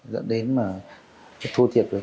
dẫn đến mà thua thiệt